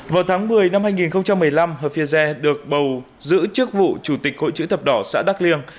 vào tháng một mươi năm hai nghìn một mươi năm hợp phía re được bầu giữ chức vụ chủ tịch hội chữ thập đỏ xã đắk liêng